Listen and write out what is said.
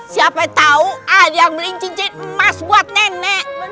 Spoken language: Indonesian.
siapa tahu ada yang beli cincin emas buat nenek